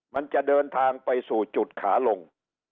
มันจะเดินทางไปสู่จุดขาลง